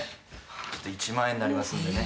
１万円になりますんでね。